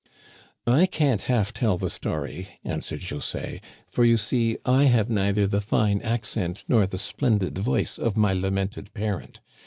I can't half tell the story," answered José, " for, you see, I have neither the fine accent nor the splendid voice of my lamented parent.